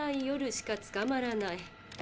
夜しかつかまらない。